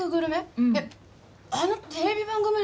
うんあのテレビ番組ね？